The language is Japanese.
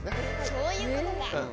そういうことか。